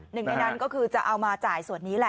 หนึ่งในนั้นก็คือจะเอามาจ่ายส่วนนี้แหละ